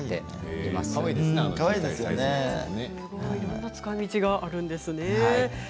いろいろな使いみちがあるんですね。